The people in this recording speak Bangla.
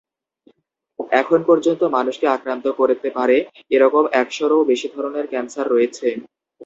এখন পর্যন্ত মানুষকে আক্রান্ত করতে পারে এরকম একশ’রও বেশি ধরনের ক্যান্সার রয়েছে।